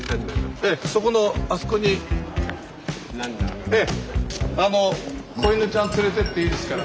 そこのあそこに小犬ちゃん連れてっていいですから。